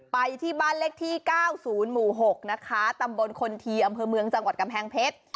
ไปที่บ้านเล็กที่๙๐๖ตำบลคนเทียมอำเภอเมืองจังหวัดกำแพงเพชร